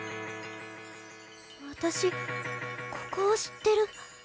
私ここを知ってる。